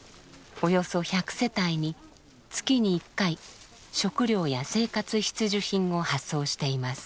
およそ１００世帯に月に１回食料や生活必需品を発送しています。